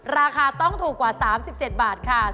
ราคาต้องถูกกว่า๓๗บาทค่ะ